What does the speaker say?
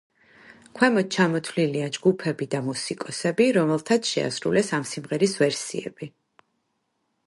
ქვემოთ ჩამოთვლილია ჯგუფები და მუსიკოსები, რომელთაც შეასრულეს ამ სიმღერის ვერსიები.